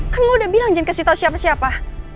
kan gue udah bilang jangan kasih tahu siapa siapa